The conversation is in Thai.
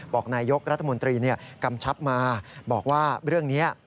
นายยกรัฐมนตรีกำชับมาบอกว่าเรื่องนี้